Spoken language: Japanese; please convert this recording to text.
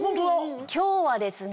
今日はですね